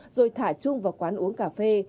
rồi thả chung vào quán uống cà phê